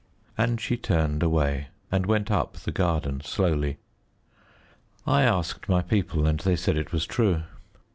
And she turned away, and went up the garden slowly. I asked my people, and they said it was true.